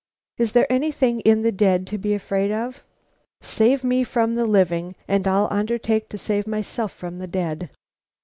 Is there anything in the dead to be afraid of? Save me from the living, and I undertake to save myself from the dead."